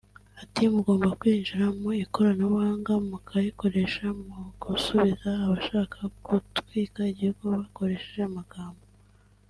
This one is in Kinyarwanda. Ati”Mugomba kwinjira mu ikoranabuhanga mukarikoresha mu gusubiza abashaka gutwika igihugu bakoresheje amagambo